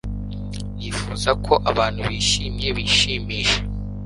nifuzaga ko abantu bishimye bishimisha